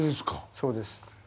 そうです。